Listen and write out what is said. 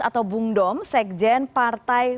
atau bung dom sekjen partai